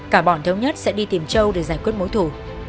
cả bọn thống nhất sẽ đi tìm châu để giải quyết mối thủ